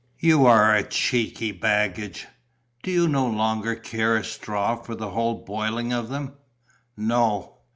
"You are a cheeky baggage! Do you no longer care a straw for the whole boiling of them?" "No."